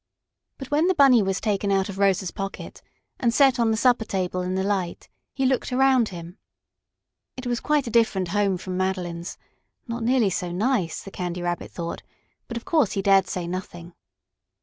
But when the Bunny was taken out of Rosa's pocket and set on the supper table in the light, he looked around him. It was quite a different home from Madeline's not nearly so nice, the Candy Rabbit thought, but of course he dared say nothing.